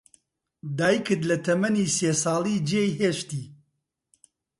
دایکت لە تەمەنی سێ ساڵی جێی هێشتی.